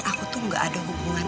aku tuh gak ada hubungan